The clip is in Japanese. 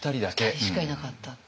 ２人しかいなかったっていう。